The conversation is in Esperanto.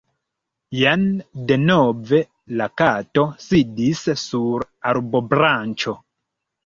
Jen denove la Kato sidis sur arbobranĉo.